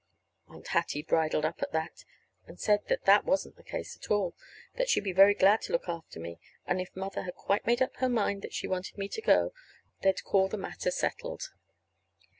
Aunt Hattie bridled up at that, and said that that wasn't the case at all; that she'd be very glad to look after me; and if Mother had quite made up her mind that she wanted me to go, they'd call the matter settled.